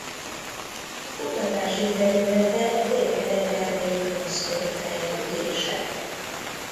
Kutatási területe Délkelet-Erdély bronzkori fejlődése.